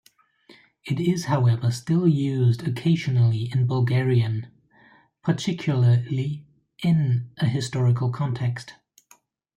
It is however still used occasionally in Bulgarian, particularly in a historical context.